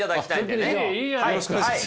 よろしくお願いします。